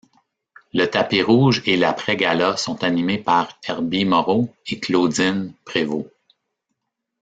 Le tapis rouge et l'après-gala sont animés par Herby Moreau et Claudine Prévost.